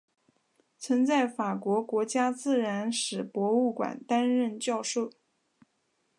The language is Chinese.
曾在法国国家自然史博物馆担任教授。